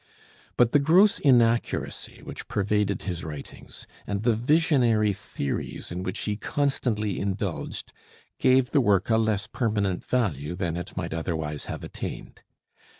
But the gross inaccuracy which pervaded his writings, and the visionary theories in which he constantly indulged, gave the work a less permanent value than it might otherwise have attained.